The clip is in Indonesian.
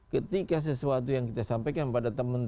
ketika sesuatu yang kita sampaikan pada tangan kita